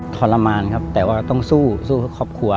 ทรมานครับแต่ว่าต้องสู้สู้เพื่อครอบครัว